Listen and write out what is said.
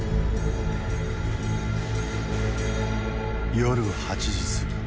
夜８時過ぎ。